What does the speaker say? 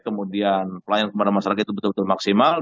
kemudian pelayanan kepada masyarakat itu betul betul maksimal